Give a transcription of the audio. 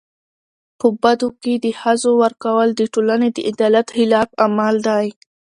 په بدو کي د ښځو ورکول د ټولني د عدالت خلاف عمل دی.